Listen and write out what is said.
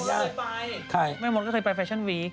ยาใครไม่หมดก็เคยไปแฟชั่นวีค